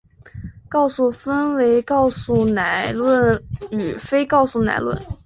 告诉分为告诉乃论与非告诉乃论。